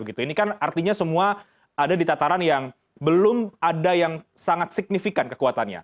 ini kan artinya semua ada di tataran yang belum ada yang sangat signifikan kekuatannya